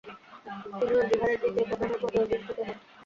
তিনি ঐ বিহারের দ্বিতীয় প্রধানের পদে অধিষ্ঠিত হন।